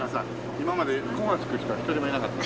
今まで「子」が付く人は一人もいなかった。